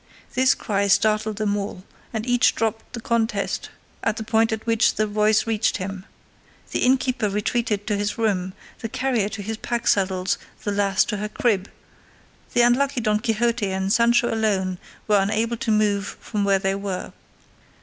This cry startled them all, and each dropped the contest at the point at which the voice reached him. The innkeeper retreated to his room, the carrier to his pack saddles, the lass to her crib; the unlucky Don Quixote and Sancho alone were unable to move from where they were.